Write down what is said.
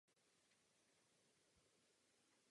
Dohromady jsou zdrojem výkonnosti.